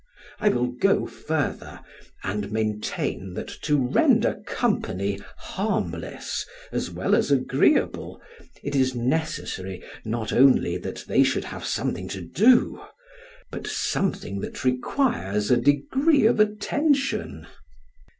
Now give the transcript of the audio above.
I will go further, and maintain, that to render company harmless, as well as agreeable, it is necessary, not only that they should have something to do, but something that requires a degree of attention.